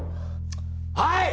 はい！